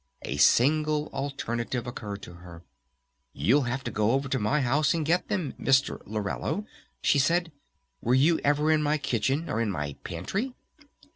A single alternative occurred to her. "You'll have to go over to my house and get them, Mr. Lorello!" she said. "Were you ever in my kitchen? Or my pantry?"